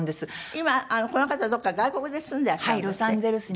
今この方どこか外国で住んでらっしゃるんですって？